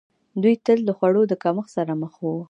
دوی تل د خوړو د کمښت سره مخ وو.